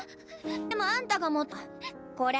でもあんたが持ってたこれ。